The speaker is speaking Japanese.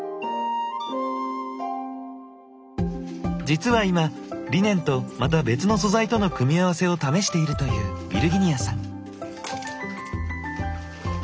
実は今リネンとまた別の素材との組み合わせを試しているというヴィルギニヤさん。